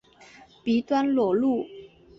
鼻端裸露。